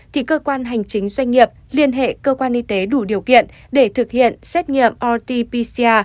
thì cơ quan hành chính doanh nghiệp liên hệ cơ quan y tế đủ điều kiện để thực hiện xét nghiệm rt pcr